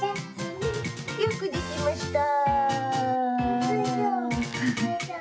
よくできました。